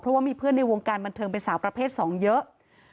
เพราะว่ามีเพื่อนในวงการบันเทิงเป็นสาวประเภท๒เยอะ